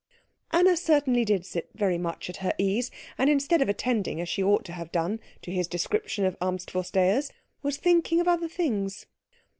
Anna certainly did sit very much at her ease, and instead of attending, as she ought to have done, to his description of Amtsvorstehers, was thinking of other things.